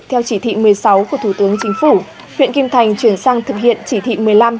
theo chỉ thị một mươi sáu của thủ tướng chính phủ huyện kim thành chuyển sang thực hiện chỉ thị một mươi năm